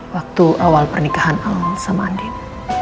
waktu awal pernikahan al sama andien